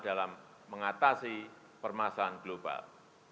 dalam mengatasi permasalahan global